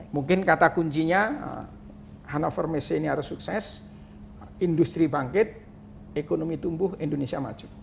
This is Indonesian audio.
mungkin kata kuncinya hannover messe ini harus sukses industri bangkit ekonomi tumbuh indonesia maju